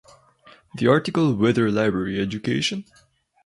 The article Whither Library Education?